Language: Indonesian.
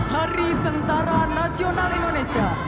hari tentara nasional indonesia